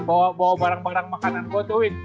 bawa barang barang makanan gue tuh win